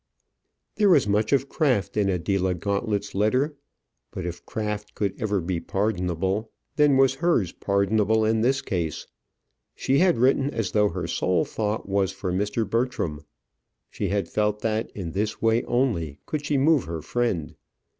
There was much of craft in Adela Gauntlet's letter; but if craft could ever be pardonable, then was hers pardonable in this case. She had written as though her sole thought was for Mr. Bertram. She had felt that in this way only could she move her friend.